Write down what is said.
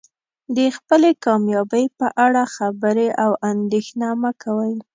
د خپلې کامیابۍ په اړه خبرې او اندیښنه مه کوئ.